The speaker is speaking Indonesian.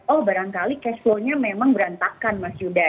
oh barangkali cash flow nya memang berantakan mas yuda